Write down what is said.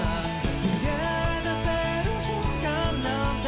「逃げ出せる瞬間なんて」